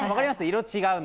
色違うの。